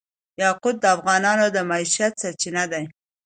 یاقوت د افغانانو د معیشت سرچینه ده.